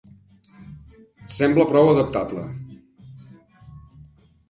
Sembla prou adaptable.